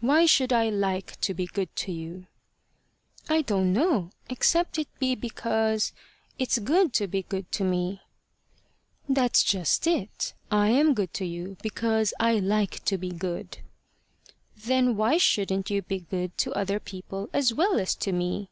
"Why should I like to be good to you?" "I don't know, except it be because it's good to be good to me." "That's just it; I am good to you because I like to be good." "Then why shouldn't you be good to other people as well as to me?"